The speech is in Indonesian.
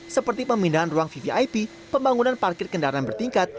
seperti pemindahan ruang vvip pembangunan parkir kendaraan bertingkat